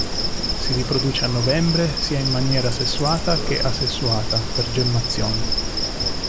Si riproduce a novembre, sia in maniera sessuata che asessuata per gemmazione.